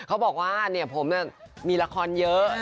เขาบอกว่าผมมีละครเยอะ